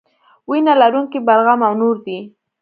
وینه لرونکي بلغم او نور دي.